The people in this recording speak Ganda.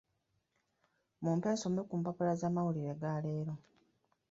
Mumpe nsome ku mpapula z'amawulire ga leero.